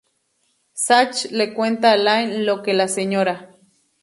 Zach le cuenta a Lane lo que la Sra.